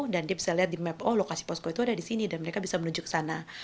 dan dia bisa lihat di map oh lokasi posko itu ada di sini dan mereka bisa menuju ke sana